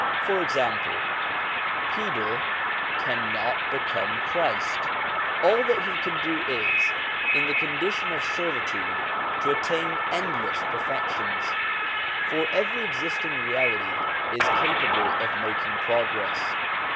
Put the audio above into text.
For example, Peter cannot become Christ. All that he can do is, in the condition of servitude, to attain endless perfections ; for every existing reality is capable of making progress.